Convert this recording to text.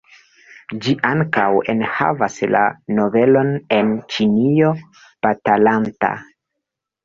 Ĝi ankaŭ enhavas la novelon "En Ĉinio batalanta".